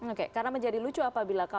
oke karena menjadi lucu apabila